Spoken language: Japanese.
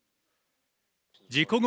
事故後